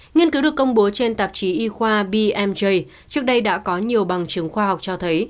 nghiên cứu được công bố trên tạp chí y khoa bmj trước đây đã có nhiều bằng chứng khoa học cho thấy